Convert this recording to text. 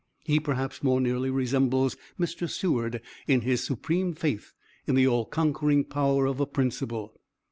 He, perhaps, more nearly resembles Mr. Seward in his supreme faith in the all conquering power of a principle.